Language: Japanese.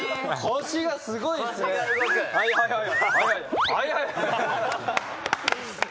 腰がすごいっすね。